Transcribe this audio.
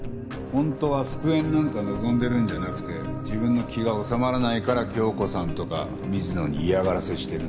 本当は復縁なんか望んでるんじゃなくて自分の気が収まらないから響子さんとか水野に嫌がらせしてるんだって。